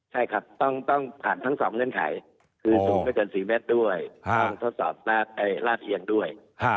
ใช่ครับต้องผ่านทั้ง๒เงื่อนไขคือสูงไม่เกิน๔เมตรด้วยต้องทดสอบลาดเอียงด้วย